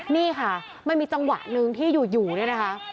นี่ค่ะมันมีจังหวะหนึ่งที่อยู่เนี่ยนะคะ